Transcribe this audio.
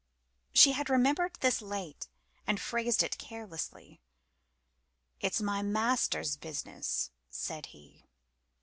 She had remembered this late and phrased it carelessly. "It is my Master's business," said he.